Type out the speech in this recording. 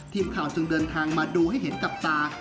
ทีมข่าวจึงเดินทางมาดูให้เห็นกับตา